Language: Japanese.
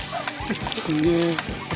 すげえ。